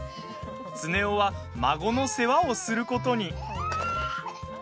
常雄は孫の世話をすることに。